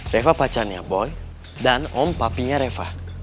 reva pacarnya boy dan om papinya reva